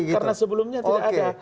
karena sebelumnya tidak ada